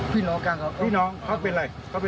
มีใครช่วยครับ